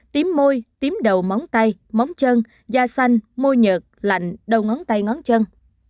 tám tím môi tím đầu móng tay móng chân da xanh môi nhợt lạnh đầu ngón tay ngón chân